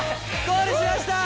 ゴールしました！